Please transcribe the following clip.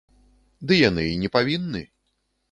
Ды яны і не павінны.